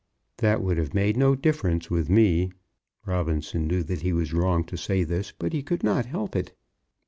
"That would have made no difference with me." Robinson knew that he was wrong to say this, but he could not help it.